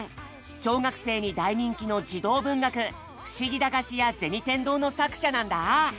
小学生に大人気の児童文学「ふしぎ駄菓子屋銭天堂」の作者なんだ。